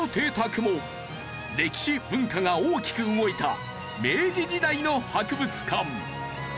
歴史文化が大きく動いた明治時代の博物館。